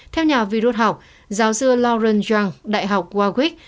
theo nhà virus học giáo sư lauren zhang đại học warwick